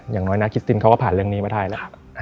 อย่างน้อยนาคิสตินเขาก็ผ่านเรื่องนี้มาได้แล้ว